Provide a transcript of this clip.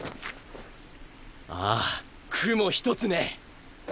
ああ雲一つねぇ。